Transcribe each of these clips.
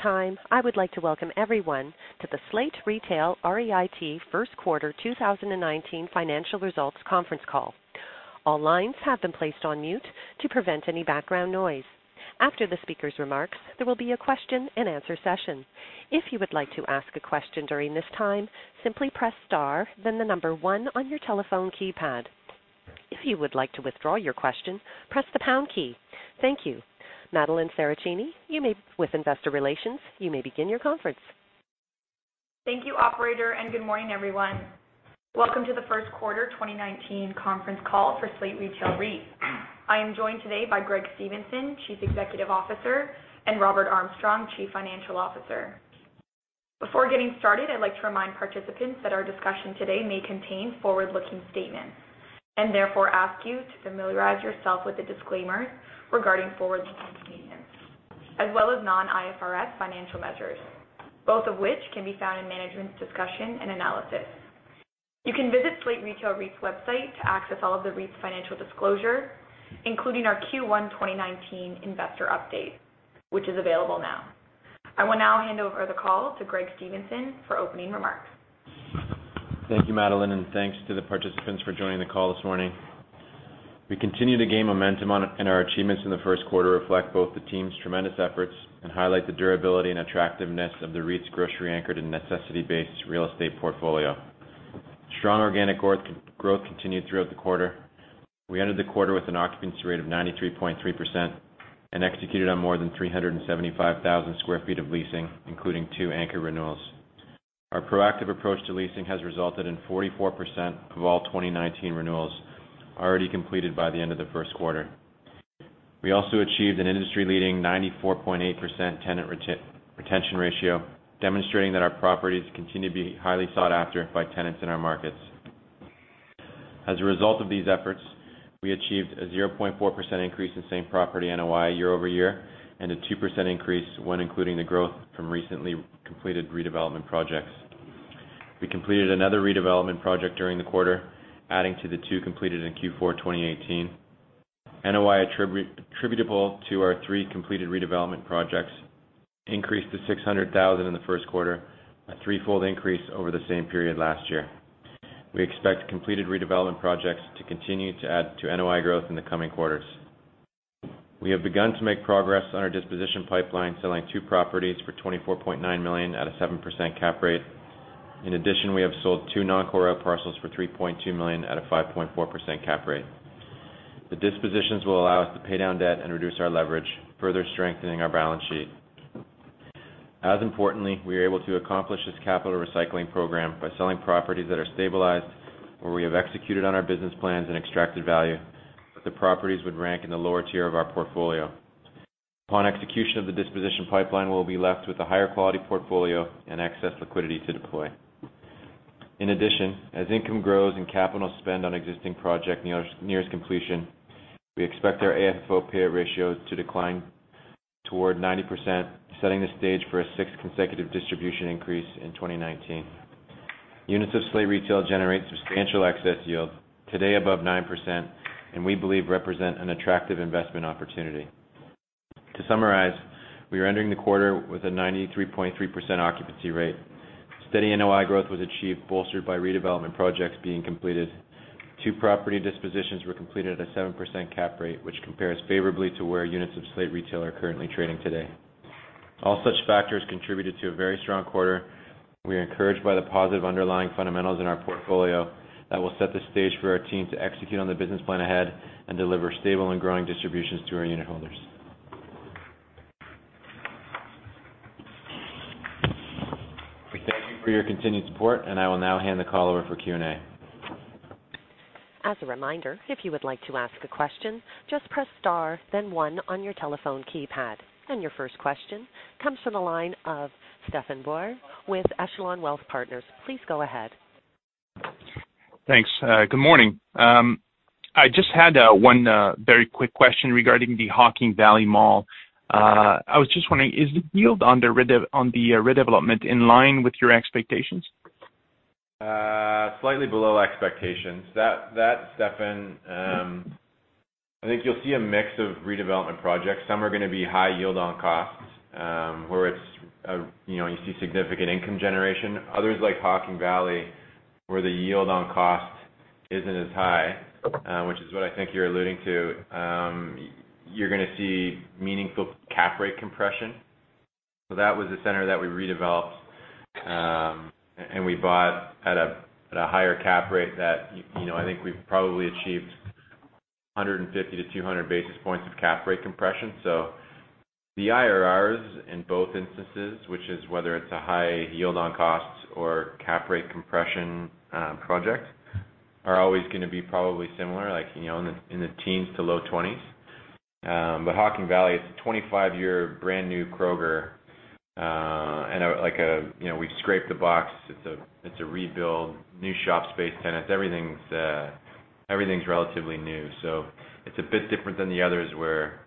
At this time, I would like to welcome everyone to the Slate Retail REIT First Quarter 2019 financial results conference call. All lines have been placed on mute to prevent any background noise. After the speaker's remarks, there will be a question and answer session. If you would like to ask a question during this time, simply press star then the number one on your telephone keypad. If you would like to withdraw your question, press the pound key. Thank you. Madeline Saracini, with Investor Relations, you may begin your conference. Thank you, operator, and good morning everyone. Welcome to the first quarter 2019 conference call for Slate Retail REIT. I am joined today by Greg Stevenson, Chief Executive Officer, and Robert Armstrong, Chief Financial Officer. Before getting started, I'd like to remind participants that our discussion today may contain forward-looking statements, and therefore ask you to familiarize yourself with the disclaimer regarding forward-looking statements, as well as non-IFRS financial measures, both of which can be found in management's discussion and analysis. You can visit Slate Retail REIT's website to access all of the REIT's financial disclosure, including our Q1 2019 investor update, which is available now. I will now hand over the call to Greg Stevenson for opening remarks. Thank you, Madeline, and thanks to the participants for joining the call this morning. We continue to gain momentum on, and our achievements in the first quarter reflect both the team's tremendous efforts and highlight the durability and attractiveness of the REIT's grocery-anchored and necessity-based real estate portfolio. Strong organic growth continued throughout the quarter. We entered the quarter with an occupancy rate of 93.3% and executed on more than 375,000 square feet of leasing, including two anchor renewals. Our proactive approach to leasing has resulted in 44% of all 2019 renewals already completed by the end of the first quarter. We also achieved an industry-leading 94.8% tenant retention ratio, demonstrating that our properties continue to be highly sought after by tenants in our markets. As a result of these efforts, we achieved a 0.4% increase in same property NOI year-over-year, and a 2% increase when including the growth from recently completed redevelopment projects. We completed another redevelopment project during the quarter, adding to the two completed in Q4 2018. NOI attributable to our three completed redevelopment projects increased to $600,000 in the first quarter, a threefold increase over the same period last year. We expect completed redevelopment projects to continue to add to NOI growth in the coming quarters. We have begun to make progress on our disposition pipeline, selling two properties for $24.9 million at a 7% cap rate. In addition, we have sold two non-core parcels for $3.2 million at a 5.4% cap rate. The dispositions will allow us to pay down debt and reduce our leverage, further strengthening our balance sheet. As importantly, we are able to accomplish this capital recycling program by selling properties that are stabilized, where we have executed on our business plans and extracted value, but the properties would rank in the lower tier of our portfolio. Upon execution of the disposition pipeline, we'll be left with a higher quality portfolio and excess liquidity to deploy. In addition, as income grows and capital spend on existing project nears completion, we expect our AFFO payout ratios to decline toward 90%, setting the stage for a sixth consecutive distribution increase in 2019. Units of Slate Retail generate substantial excess yield, today above 9%, and we believe represent an attractive investment opportunity. To summarize, we are entering the quarter with a 93.3% occupancy rate. Steady NOI growth was achieved, bolstered by redevelopment projects being completed. Two property dispositions were completed at a 7% cap rate, which compares favorably to where units of Slate Retail are currently trading today. All such factors contributed to a very strong quarter. We are encouraged by the positive underlying fundamentals in our portfolio that will set the stage for our team to execute on the business plan ahead and deliver stable and growing distributions to our unit holders. I will now hand the call over for Q&A. As a reminder, if you would like to ask a question, just press star then one on your telephone keypad. Your first question comes from the line of Stefan Boire with Echelon Wealth Partners. Please go ahead. Thanks. Good morning. I just had one very quick question regarding the Hocking Valley Mall. I was just wondering, is the yield on the redevelopment in line with your expectations? Slightly below expectations. That, Stefan, I think you'll see a mix of redevelopment projects. Some are going to be high yield on costs, where you see significant income generation. Others, like Hocking Valley, where the yield on cost isn't as high, which is what I think you're alluding to. You're going to see meaningful cap rate compression. That was the center that we redeveloped, and we bought at a higher cap rate that I think we've probably achieved 150 to 200 basis points of cap rate compression. The IRRs in both instances, which is whether it's a high yield on costs or cap rate compression project, are always going to be probably similar, like in the teens to low 20s. Hocking Valley, it's a 25-year brand new Kroger. We've scraped the box. It's a rebuild. New shop space tenants. Everything's relatively new. It's a bit different than the others where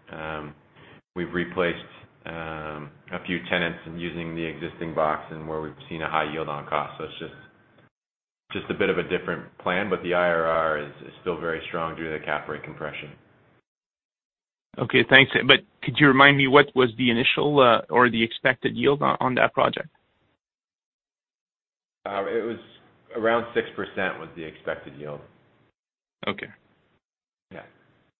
we've replaced a few tenants and using the existing box and where we've seen a high yield on cost. It's just a bit of a different plan, the IRR is still very strong due to the cap rate compression. Okay, thanks. Could you remind me what was the initial or the expected yield on that project? It was around 6% was the expected yield. Okay. Yeah.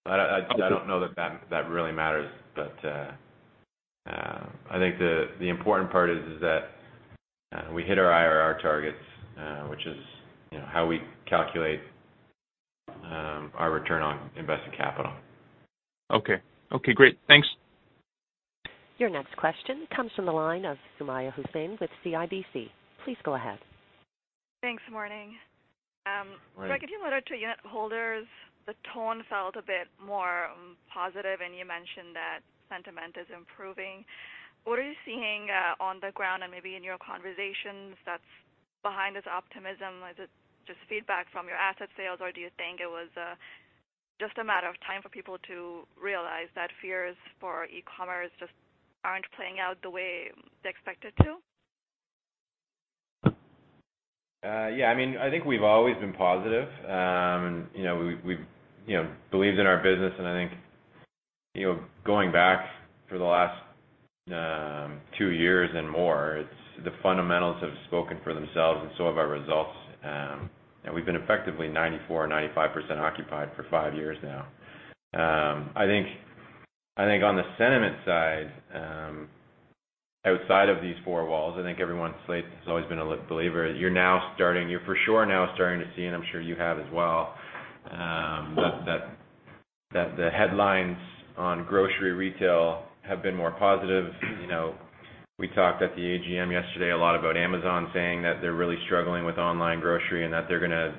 I don't know that that really matters, but I think the important part is that we hit our IRR targets, which is how we calculate our return on invested capital. Okay. Okay, great. Thanks. Your next question comes from the line of Sumayya Hussain with CIBC. Please go ahead. Thanks. Morning. Morning. Greg, in your letter to unitholders, the tone felt a bit more positive, and you mentioned that sentiment is improving. What are you seeing on the ground and maybe in your conversations that's behind this optimism? Is it just feedback from your asset sales, or do you think it was just a matter of time for people to realize that fears for e-commerce just aren't playing out the way they expected to? I think we've always been positive. We've believed in our business, and I think going back for the last two years and more, the fundamentals have spoken for themselves and so have our results. We've been effectively 94% or 95% occupied for five years now. I think on the sentiment side, outside of these four walls, I think everyone, Slate has always been a believer. You're for sure now starting to see, and I'm sure you have as well, that the headlines on grocery retail have been more positive. We talked at the AGM yesterday a lot about Amazon saying that they're really struggling with online grocery and that they're going to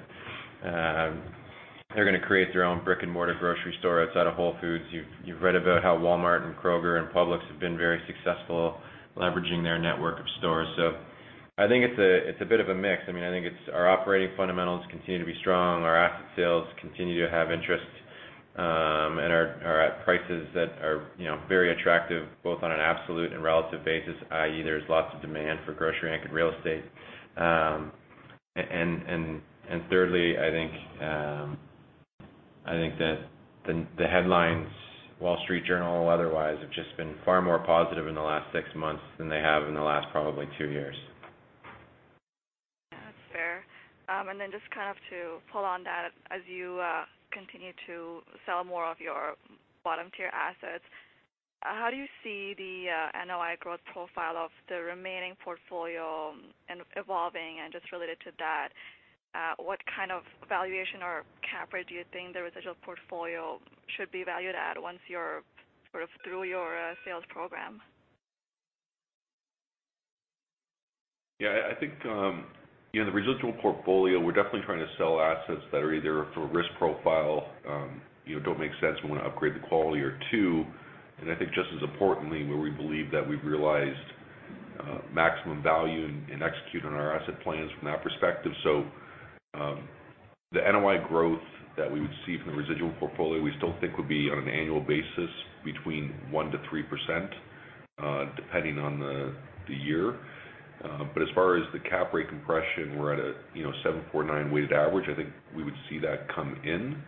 create their own brick-and-mortar grocery store outside of Whole Foods. You've read about how Walmart and Kroger and Publix have been very successful leveraging their network of stores. I think it's a bit of a mix. I think our operating fundamentals continue to be strong. Our asset sales continue to have interest, and are at prices that are very attractive, both on an absolute and relative basis, i.e., there's lots of demand for grocery-anchored real estate. Thirdly, I think the headlines, The Wall Street Journal or otherwise, have just been far more positive in the last six months than they have in the last probably two years. That's fair. Just to pull on that, as you continue to sell more of your bottom-tier assets, how do you see the NOI growth profile of the remaining portfolio evolving? Just related to that, what kind of valuation or cap rate do you think the residual portfolio should be valued at once you're through your sales program? I think the residual portfolio, we're definitely trying to sell assets that are either for risk profile, don't make sense, we want to upgrade the quality or two. I think just as importantly, where we believe that we've realized maximum value in executing on our asset plans from that perspective. The NOI growth that we would see from the residual portfolio, we still think would be on an annual basis between 1%-3%, depending on the year. As far as the cap rate compression, we're at a 7.9 weighted average. I think we would see that come in,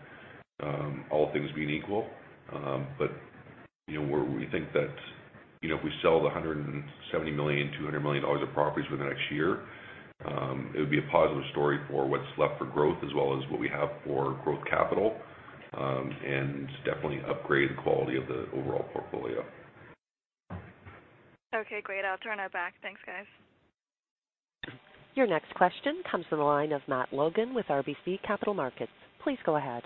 all things being equal. We think that if we sell the $170 million, $200 million of properties within the next year, it would be a positive story for what's left for growth as well as what we have for growth capital, and definitely upgrade the quality of the overall portfolio. Okay, great. I'll turn it back. Thanks, guys. Your next question comes from the line of Matt Logan with RBC Capital Markets. Please go ahead.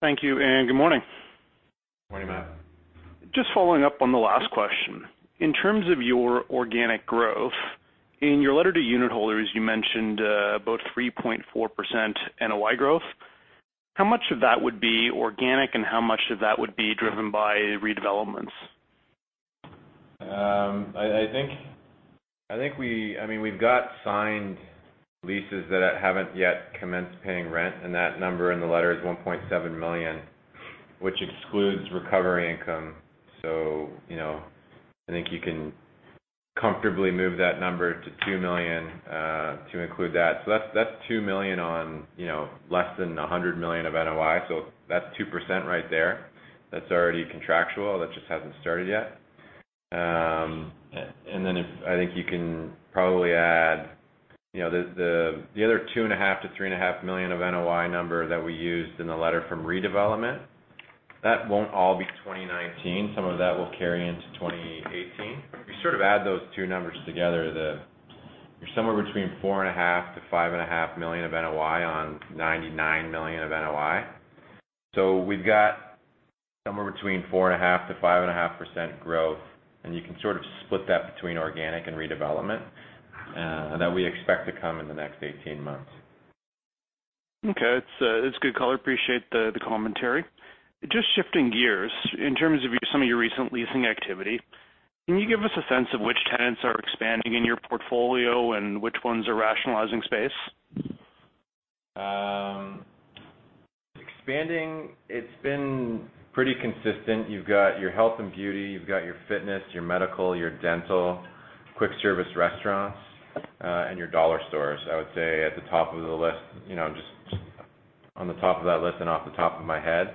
Thank you, and good morning. Morning, Matt. Just following up on the last question. In terms of your organic growth, in your letter to unitholders, you mentioned about 3.4% NOI growth. How much of that would be organic, and how much of that would be driven by redevelopments? I think we've got signed leases that haven't yet commenced paying rent. That number in the letter is $1.7 million, which excludes recovery income. I think you can comfortably move that number to $2 million to include that. That's $2 million on less than $100 million of NOI, that's 2% right there. That's already contractual. That just hasn't started yet. Then I think you can probably add the other $2.5 million-$3.5 million of NOI number that we used in the letter from redevelopment. That won't all be 2019. Some of that will carry into 2018. If you add those two numbers together, you're somewhere between $4.5 million-$5.5 million of NOI on $99 million of NOI. we've got somewhere between 4.5%-5.5% growth, and you can sort of split that between organic and redevelopment, that we expect to come in the next 18 months. Okay. It's good color. Appreciate the commentary. Just shifting gears, in terms of some of your recent leasing activity, can you give us a sense of which tenants are expanding in your portfolio and which ones are rationalizing space? Expanding, it's been pretty consistent. You've got your health and beauty. You've got your fitness, your medical, your dental, quick service restaurants, and your dollar stores, I would say at the top of the list. Just on the top of that list and off the top of my head.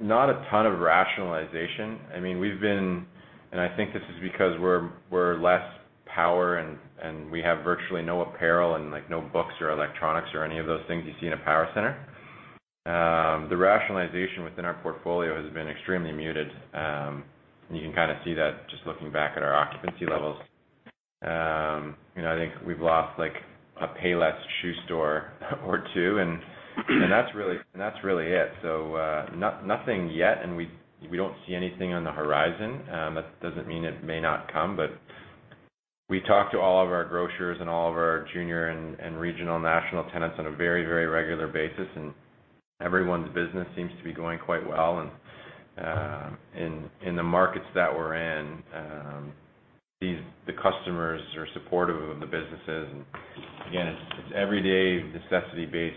Not a ton of rationalization. I think this is because we're less power and we have virtually no apparel and no books or electronics or any of those things you see in a power center. The rationalization within our portfolio has been extremely muted. You can kind of see that just looking back at our occupancy levels. I think we've lost a Payless ShoeSource or two and that's really it. Nothing yet, and we don't see anything on the horizon. That doesn't mean it may not come, we talk to all of our grocers and all of our junior and regional national tenants on a very regular basis, and everyone's business seems to be going quite well. In the markets that we're in, the customers are supportive of the businesses. Again, it's everyday necessity-based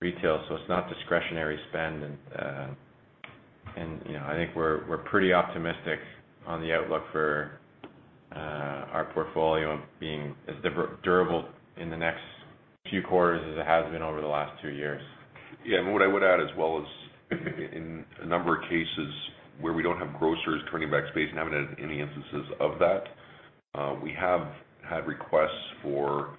retail, so it's not discretionary spend. I think we're pretty optimistic on the outlook for our portfolio being as durable in the next few quarters as it has been over the last two years. Yeah. What I would add as well is in a number of cases where we don't have grocers turning back space and haven't had any instances of that, we have had requests for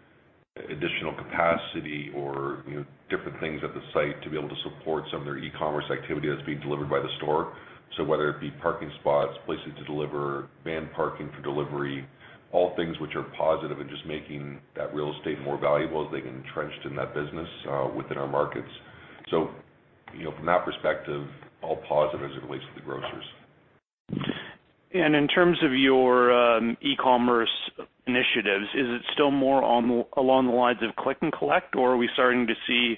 additional capacity or different things at the site to be able to support some of their e-commerce activity that's being delivered by the store. Whether it be parking spots, places to deliver, van parking for delivery, all things which are positive and just making that real estate more valuable as they get entrenched in that business within our markets. From that perspective, all positive as it relates to the grocers. In terms of your e-commerce initiatives, is it still more along the lines of click and collect, or are we starting to see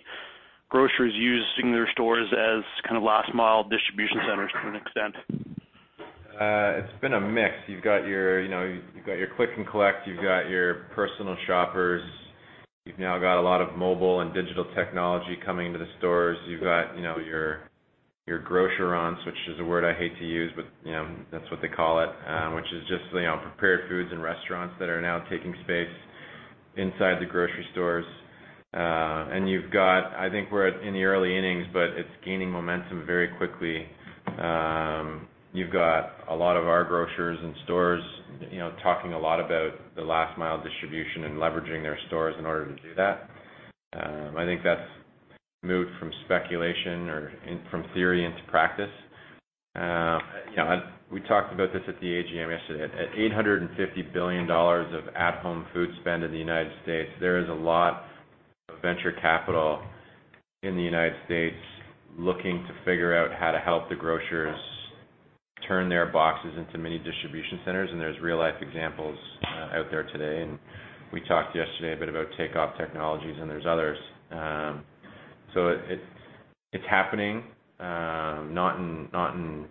grocers using their stores as kind of last-mile distribution centers to an extent? It's been a mix. You've got your click and collect. You've got your personal shoppers. You've now got a lot of mobile and digital technology coming into the stores. You've got your grocerants, which is a word I hate to use, but that's what they call it, which is just prepared foods and restaurants that are now taking space inside the grocery stores. You've got, I think we're in the early innings, but it's gaining momentum very quickly. You've got a lot of our grocers and stores talking a lot about the last-mile distribution and leveraging their stores in order to do that. I think that's moved from speculation or from theory into practice. We talked about this at the AGM yesterday. At $850 billion of at-home food spend in the United States, there is a lot of venture capital in the United States looking to figure out how to help the grocers turn their boxes into mini distribution centers, and there's real-life examples out there today. We talked yesterday a bit about Takeoff Technologies, and there's others. It's happening, not in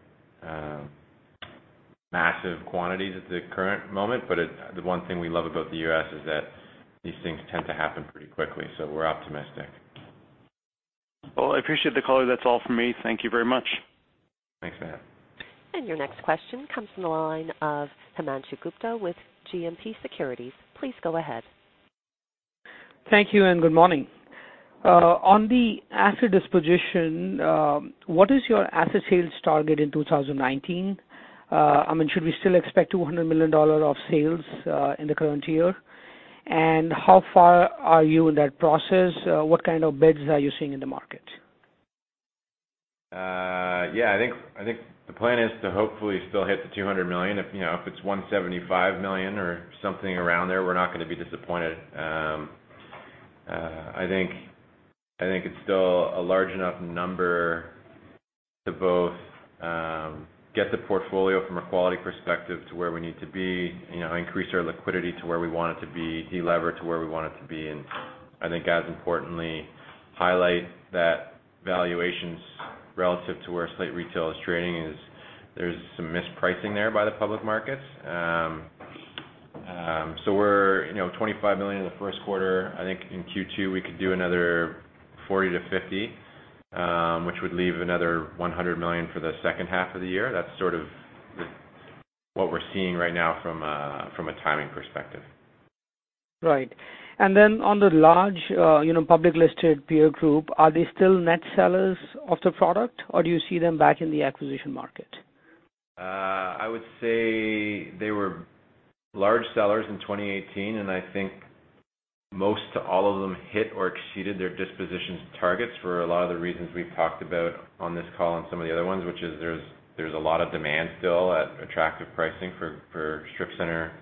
massive quantities at the current moment, but the one thing we love about the U.S. is that these things tend to happen pretty quickly, so we're optimistic. Well, I appreciate the color. That's all from me. Thank you very much. Thanks, Matt. Your next question comes from the line of Himanshu Gupta with GMP Securities. Please go ahead. Thank you, and good morning. On the asset disposition, what is your asset sales target in 2019? Should we still expect $200 million of sales in the current year? How far are you in that process? What kind of bids are you seeing in the market? Yeah, I think the plan is to hopefully still hit the $200 million. If it's $175 million or something around there, we're not going to be disappointed. I think it's still a large enough number to both get the portfolio from a quality perspective to where we need to be, increase our liquidity to where we want it to be, delever to where we want it to be, and I think as importantly, highlight that valuations relative to where Slate Retail is trading is there's some mispricing there by the public markets. We're $25 million in the first quarter. I think in Q2, we could do another 40 to 50, which would leave another $100 million for the second half of the year. That's sort of what we're seeing right now from a timing perspective. Right. On the large public listed peer group, are they still net sellers of the product, or do you see them back in the acquisition market? I would say they were large sellers in 2018, and I think most to all of them hit or exceeded their dispositions targets for a lot of the reasons we've talked about on this call and some of the other ones, which is there's a lot of demand still at attractive pricing for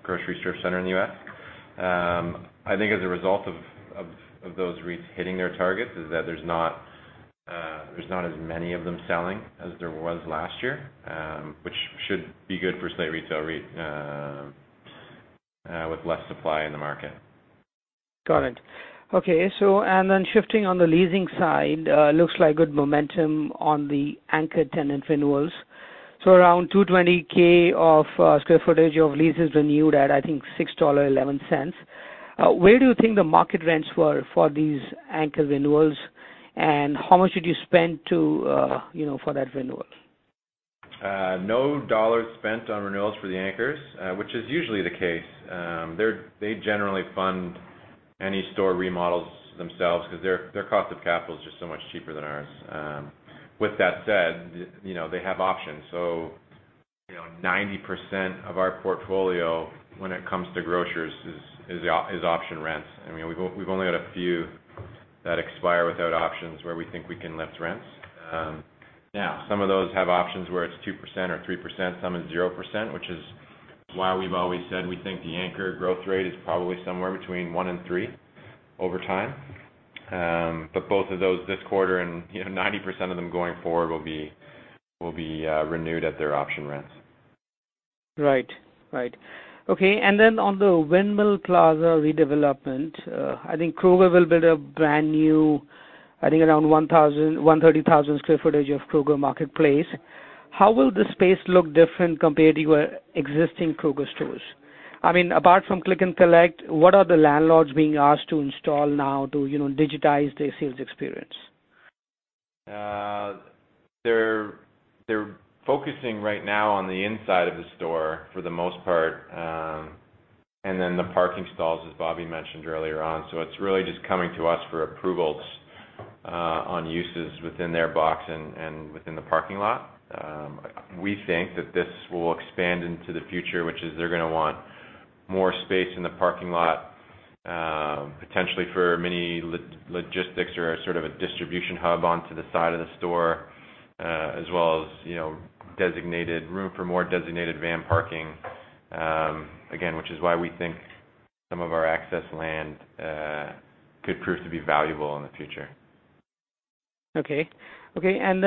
grocery strip center in the U.S. I think as a result of those REITs hitting their targets is that there's not as many of them selling as there was last year, which should be good for Slate Retail REIT with less supply in the market. Got it. Okay. Shifting on the leasing side, looks like good momentum on the anchored tenant renewals. Around 220,000 of square footage of leases renewed at, I think $6.11. Where do you think the market rents were for these anchor renewals, and how much did you spend for that renewal? No dollars spent on renewals for the anchors, which is usually the case. They generally fund any store remodels themselves because their cost of capital is just so much cheaper than ours. With that said, they have options. 90% of our portfolio when it comes to grocers is option rents. We've only got a few that expire without options where we think we can lift rents. Some of those have options where it's 2% or 3%, some is 0%, which is why we've always said we think the anchor growth rate is probably somewhere between 1% and 3% over time. Both of those this quarter and 90% of them going forward will be renewed at their option rents. Right. Okay. On the Windmill Plaza redevelopment, I think Kroger will build a brand new, I think around 130,000 square footage of Kroger Marketplace. How will the space look different compared to your existing Kroger stores? Apart from click and collect, what are the landlords being asked to install now to digitize their sales experience? They're focusing right now on the inside of the store for the most part. The parking stalls, as Bobby mentioned earlier on. It's really just coming to us for approvals on uses within their box and within the parking lot. We think that this will expand into the future, which is they're going to want more space in the parking lot, potentially for mini logistics or a sort of a distribution hub onto the side of the store, as well as designated room for more designated van parking. Again, which is why we think some of our access land could prove to be valuable in the future. Okay. On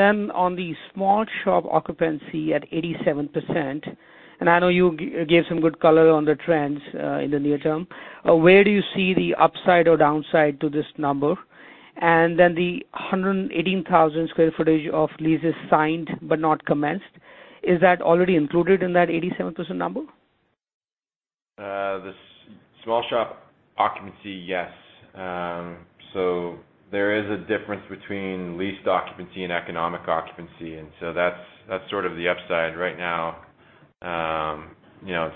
the small shop occupancy at 87%, and I know you gave some good color on the trends in the near term, where do you see the upside or downside to this number? The 118,000 square footage of leases signed but not commenced, is that already included in that 87% number? The small shop occupancy, yes. There is a difference between leased occupancy and economic occupancy, that's sort of the upside right now. It's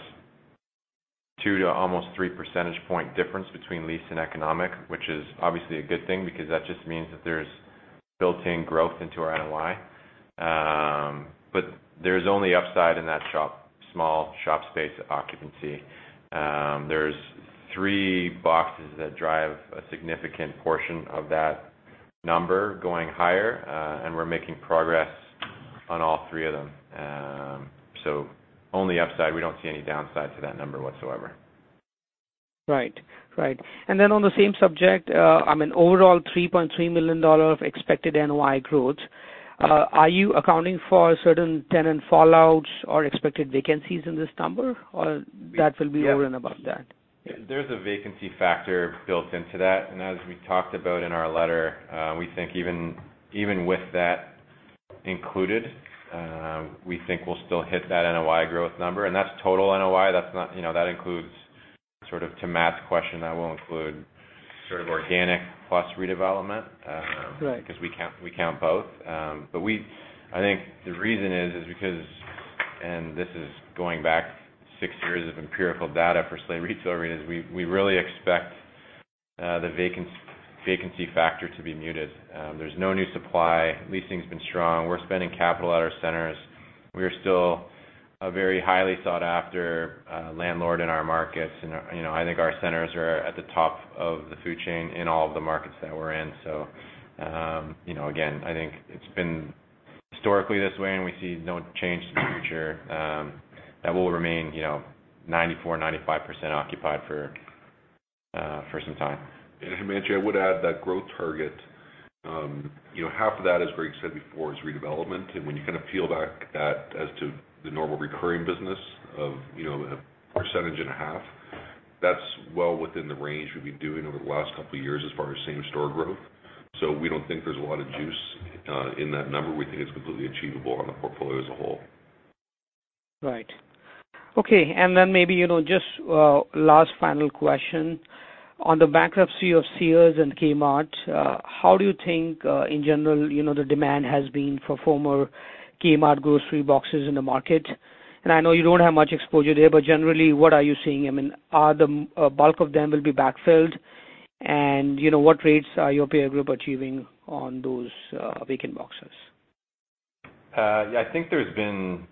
two to almost three percentage point difference between lease and economic, which is obviously a good thing because that just means that there's built-in growth into our NOI. There's only upside in that small shop space occupancy. There's three boxes that drive a significant portion of that number going higher, we're making progress on all three of them. Only upside. We don't see any downside to that number whatsoever. Right. On the same subject, overall $3.3 million of expected NOI growth. Are you accounting for certain tenant fallouts or expected vacancies in this number, or that will be over and above that? There's a vacancy factor built into that. As we talked about in our letter, we think even with that included, we think we'll still hit that NOI growth number. That's total NOI. That includes sort of to Matt's question, that will include sort of organic plus redevelopment. Right We count both. I think the reason is because, this is going back six years of empirical data for Slate Retail REIT, we really expect the vacancy factor to be muted. There's no new supply. Leasing's been strong. We're spending capital at our centers. We are still a very highly sought-after landlord in our markets, I think our centers are at the top of the food chain in all of the markets that we're in. Again, I think it's been historically this way, we see no change to the future. That will remain 94%-95% occupied for some time. Himanshu, I would add that growth target. Half of that, as Greg said before, is redevelopment. When you kind of peel back that as to the normal recurring business of 1.5%, that's well within the range we've been doing over the last couple of years as far as same store growth. We don't think there's a lot of juice in that number. We think it's completely achievable on the portfolio as a whole. Right. Okay. Maybe just last final question. On the bankruptcy of Sears and Kmart, how do you think in general, the demand has been for former Kmart grocery boxes in the market? I know you don't have much exposure there, but generally, what are you seeing? Are the bulk of them will be backfilled? What rates are your peer group achieving on those vacant boxes? I think there's been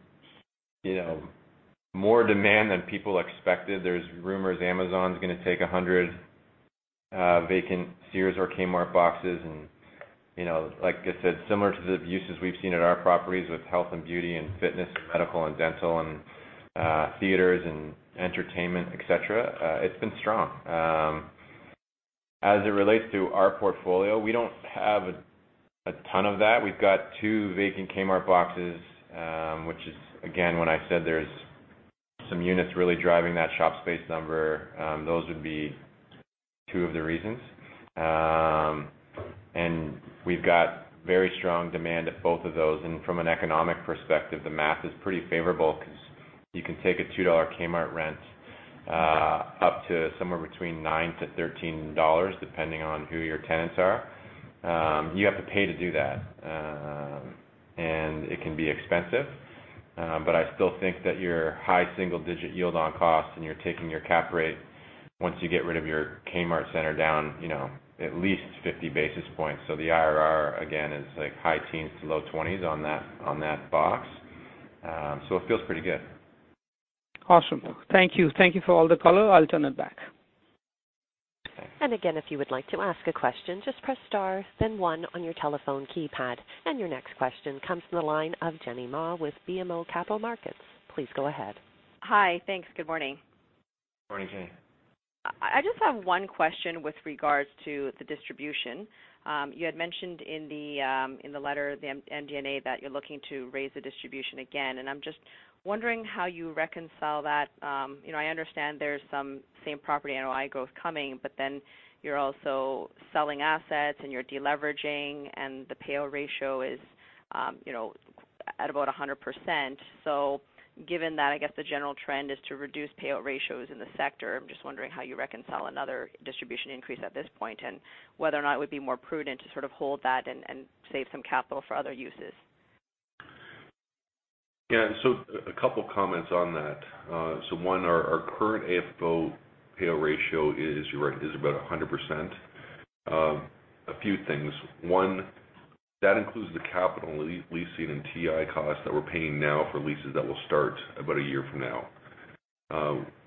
more demand than people expected. There's rumors Amazon's going to take 100 vacant Sears or Kmart boxes. Like I said, similar to the uses we've seen at our properties with health and beauty and fitness, medical and dental and theaters and entertainment, et cetera. It's been strong. As it relates to our portfolio, we don't have a ton of that. We've got two vacant Kmart boxes, which is again, when I said there's some units really driving that shop space number, those would be two of the reasons. We've got very strong demand at both of those. From an economic perspective, the math is pretty favorable because you can take a $2 Kmart rent up to somewhere between $9 to $13, depending on who your tenants are. You have to pay to do that. It can be expensive. I still think that your high single-digit yield on costs, you're taking your cap rate once you get rid of your Kmart center down, at least 50 basis points. The IRR, again, is high teens to low 20s on that box. It feels pretty good. Awesome. Thank you. Thank you for all the color. I'll turn it back. Again, if you would like to ask a question, just press star, then one on your telephone keypad. Your next question comes from the line of Jenny Ma with BMO Capital Markets. Please go ahead. Hi. Thanks. Good morning. Morning, Jenny. I just have one question with regards to the distribution. You had mentioned in the letter, the MD&A, that you're looking to raise the distribution again. I'm just wondering how you reconcile that. I understand there's some Same-Property NOI growth coming, but then you're also selling assets and you're de-leveraging, and the payout ratio is at about 100%. Given that, I guess the general trend is to reduce payout ratios in the sector. I'm just wondering how you reconcile another distribution increase at this point, and whether or not it would be more prudent to sort of hold that and save some capital for other uses. Yeah. A couple of comments on that. One, our current AFFO payout ratio is, you're right, about 100%. A few things. One, that includes the capital leasing and TI costs that we're paying now for leases that will start about a year from now.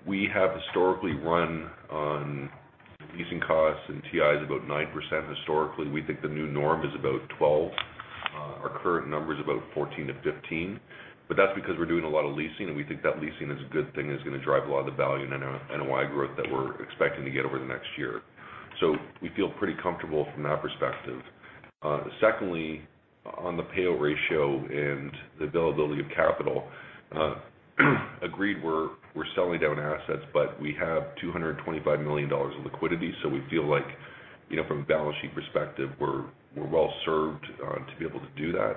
We have historically run on leasing costs and TIs about 9% historically. We think the new norm is about 12. Our current number is about 14-15. That's because we're doing a lot of leasing, and we think that leasing is a good thing, that it's going to drive a lot of the value and NOI growth that we're expecting to get over the next year. We feel pretty comfortable from that perspective. Secondly, on the payout ratio and the availability of capital, agreed we're selling down assets, we have $225 million of liquidity, we feel like, from a balance sheet perspective, we're well-served to be able to do that.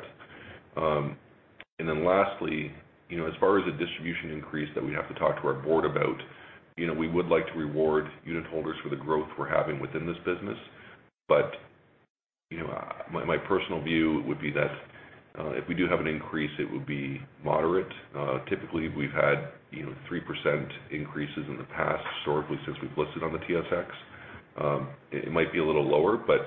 Lastly, as far as the distribution increase that we'd have to talk to our board about, we would like to reward unit holders for the growth we're having within this business. My personal view would be that, if we do have an increase, it would be moderate. Typically, we've had 3% increases in the past, historically, since we've listed on the TSX. It might be a little lower, but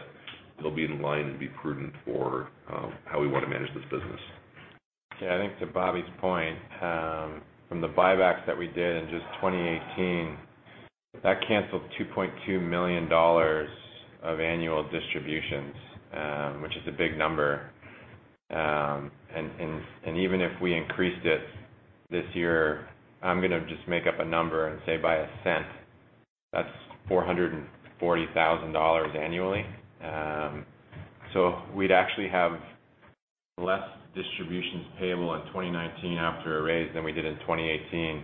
it'll be in line and be prudent for how we want to manage this business. Yeah. I think to Bobby's point, from the buybacks that we did in just 2018, that canceled $2.2 million of annual distributions, which is a big number. Even if we increased it this year, I'm going to just make up a number and say by $0.01, that's $440,000 annually. We'd actually have less distributions payable in 2019 after a raise than we did in 2018,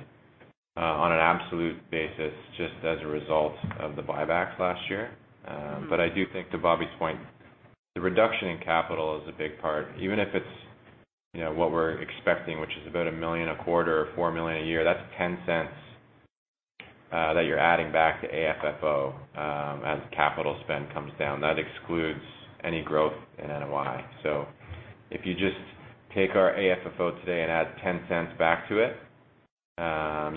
on an absolute basis, just as a result of the buybacks last year. I do think to Bobby's point, the reduction in capital is a big part. Even if it's what we're expecting, which is about $1 million a quarter or $4 million a year, that's $0.10 that you're adding back to AFFO as capital spend comes down. That excludes any growth in NOI. If you just take our AFFO today and add $0.10 back to it,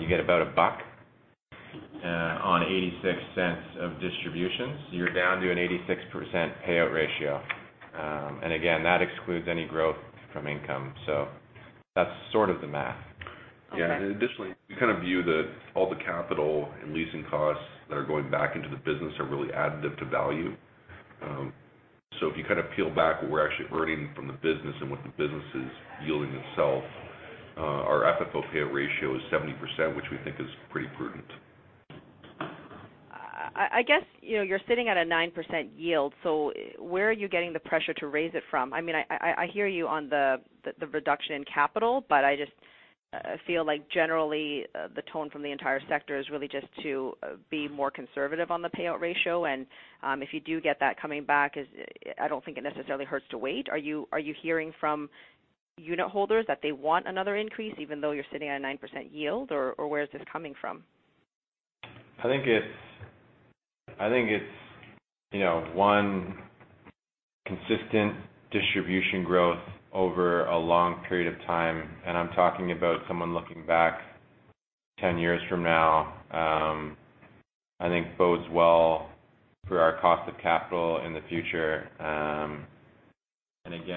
you get about $1 on $0.86 of distributions. You're down to an 86% payout ratio. Again, that excludes any growth from income. That's sort of the math. Additionally, we view all the capital and leasing costs that are going back into the business are really additive to value. If you peel back what we're actually earning from the business and what the business is yielding itself, our AFFO payout ratio is 70%, which we think is pretty prudent. You're sitting at a 9% yield. Where are you getting the pressure to raise it from? I hear you on the reduction in capital, I just feel like generally, the tone from the entire sector is really just to be more conservative on the payout ratio. If you do get that coming back, I don't think it necessarily hurts to wait. Are you hearing from unit holders that they want another increase even though you're sitting at a 9% yield, or where is this coming from? One, consistent distribution growth over a long period of time, and I'm talking about someone looking back 10 years from now, I think bodes well for our cost of capital in the future.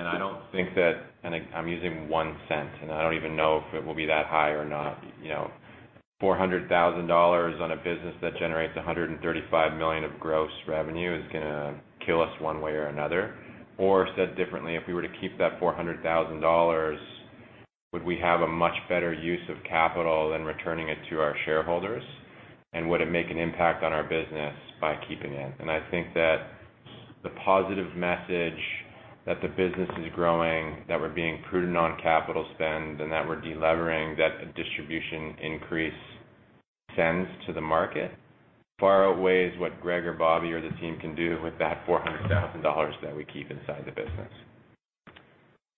I don't think that I'm using $0.01, and I don't even know if it will be that high or not. $400,000 on a business that generates $135 million of gross revenue is going to kill us one way or another. Said differently, if we were to keep that $400,000, would we have a much better use of capital than returning it to our shareholders? Would it make an impact on our business by keeping it? I think that the positive message that the business is growing, that we're being prudent on capital spend, and that we're de-levering, that a distribution increase sends to the market far outweighs what Greg or Bobby or the team can do with that $400,000 that we keep inside the business.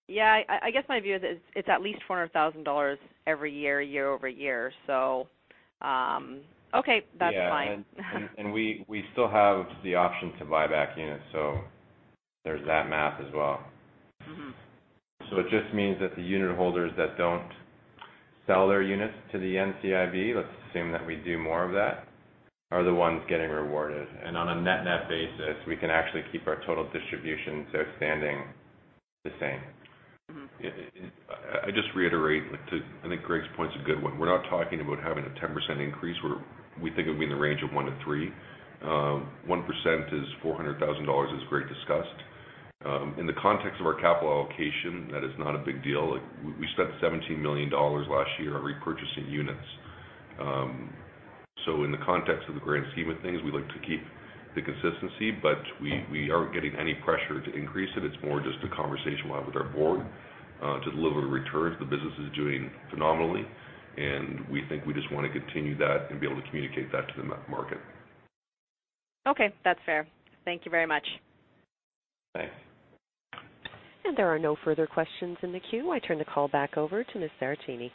Yeah. I guess my view is it's at least $400,000 every year-over-year. Okay. That's fine. Yeah. We still have the option to buy back units, there's that math as well. It just means that the unit holders that don't sell their units to the NCIB, let's assume that we do more of that, are the ones getting rewarded. On a net-net basis, we can actually keep our total distributions outstanding the same. I just reiterate, I think Greg's point's a good one. We're not talking about having a 10% increase. We think it would be in the range of 1%-3%. 1% is $400,000, as Greg discussed. In the context of our capital allocation, that is not a big deal. We spent $17 million last year on repurchasing units. In the context of the grand scheme of things, we look to keep the consistency, but we aren't getting any pressure to increase it. It's more just a conversation we'll have with our board to deliver the returns. The business is doing phenomenally, and we think we just want to continue that and be able to communicate that to the market. Okay. That's fair. Thank you very much. Thanks. There are no further questions in the queue. I turn the call back over to Ms. Saracini.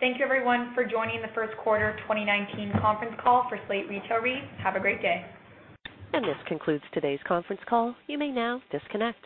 Thank you everyone for joining the first quarter 2019 conference call for Slate Retail REIT. Have a great day. This concludes today's conference call. You may now disconnect.